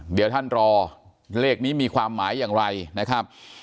เดี๋ยวท่านรอเลขนี้มีความหมายอย่างไรนะครับ